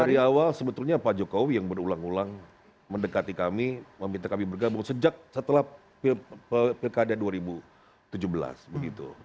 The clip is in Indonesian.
dari awal sebetulnya pak jokowi yang berulang ulang mendekati kami meminta kami bergabung sejak setelah pilkada dua ribu tujuh belas begitu